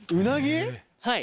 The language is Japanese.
はい。